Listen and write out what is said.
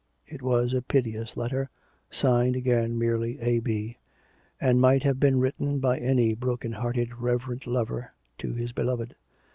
It was a piteous letter, signed again merely " A. B.," and might have been written by any broken hearted rever ent lover to his beloved.